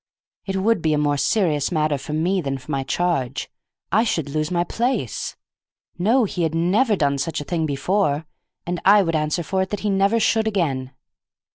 It would be a more serious matter for me than for my charge. I should lose my place. No, he had never done such a thing before, and I would answer for it that he never should again.